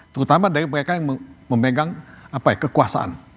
terutama dari mereka yang memegang kekuasaan